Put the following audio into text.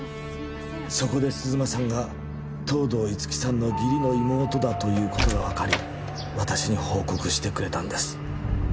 そこで鈴間さんが東堂樹生さんの義理の妹だということが分かり私に報告してくれたんです